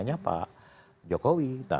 ketua umum partai bulan bintang